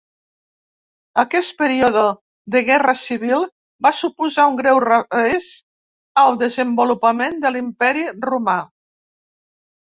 Aquest període de guerra civil va suposar un greu revés al desenvolupament de l'Imperi Romà.